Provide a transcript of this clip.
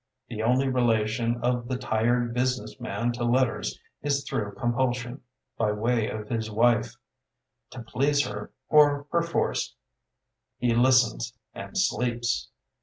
The only relation of the Tired Business Man to letters is through compulsion, by way of his wife; to please her, or perforce, he listens — ^and sleeps.